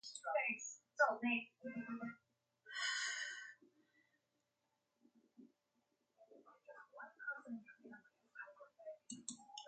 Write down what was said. She defended Minaj and blamed herself for the lack of visual for the project.